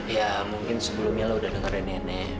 ya mungkin sebelumnya lah udah dengerin nenek